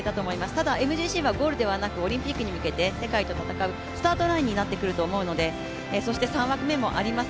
ただ、ＭＧＣはゴールではなくオリンピックに向けて、世界と戦うスタートラインになってくると思うので、そして３枠目もあります。